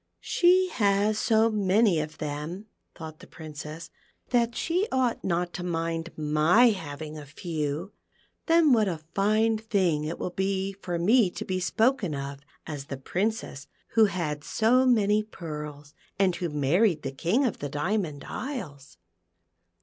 " She has so many of them," thought the Princess, " that she ought not to mind my having a few ; and then what a fine thing it will be for me to be spoken of as the Princess who had so many pearls, and who married the King of the Diamond Isles